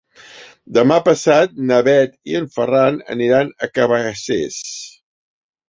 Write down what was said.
Demà passat na Bet i en Ferran aniran a Cabacés.